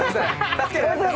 助ける？